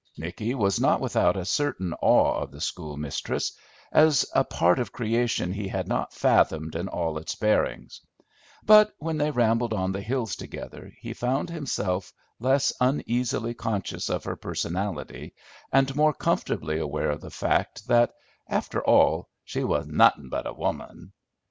Nicky was not without a certain awe of the schoolmistress, as a part of creation he had not fathomed in all its bearings; but when they rambled on the hills together, he found himself less uneasily conscious of her personality, and more comfortably aware of the fact that, after all, she was "nothin' but a woman."